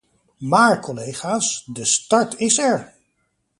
Maar collega's, de start is er!